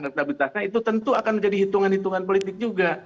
elektabilitasnya itu tentu akan menjadi hitungan hitungan politik juga